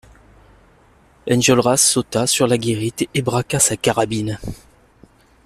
Enjolras sauta sur la guérite et braqua sa carabine.